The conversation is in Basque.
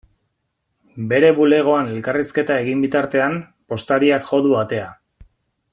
Bere bulegoan elkarrizketa egin bitartean, postariak jo du atea.